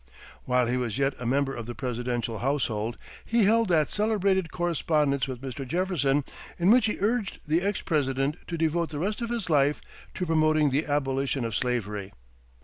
While he was yet a member of the presidential household, he held that celebrated correspondence with Mr. Jefferson, in which he urged the ex President to devote the rest of his life to promoting the abolition of slavery.